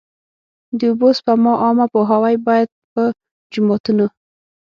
د اوبو سپما عامه پوهاوی باید په جوماتونو.